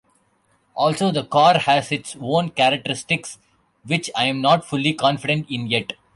Also, the car has its own characteristics which I'm not fully confident in yet.